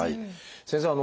先生。